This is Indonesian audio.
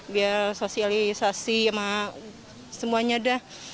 biar sosialisasi sama semuanya dah